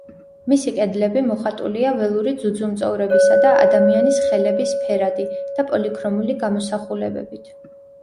მისი კედლები მოხატულია ველური ძუძუმწოვრებისა და ადამიანის ხელების ფერადი და პოლიქრომული გამოსახულებებით.